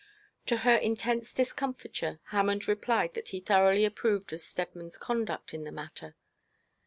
To her intense discomfiture Hammond replied that he thoroughly approved of Steadman's conduct in the matter.